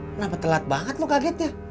kenapa telat banget mau kagetnya